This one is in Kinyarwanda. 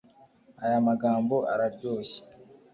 aya magambo araryoshye